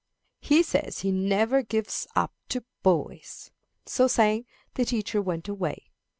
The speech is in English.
He says he never gives up to boys." So saying, the teacher went away.